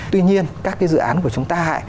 tuy nhiên các cái dự án của chúng ta